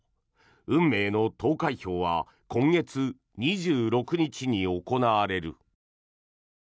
運命の投開票は今月２６日に行われる。